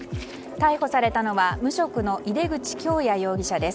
逮捕されたのは無職の井手口響哉容疑者です。